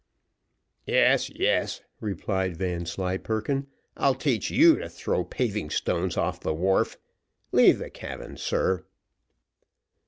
"Yes, yes," replied Vanslyperken, "I'll teach you to throw paving stones off the wharf. Leave the cabin, sir."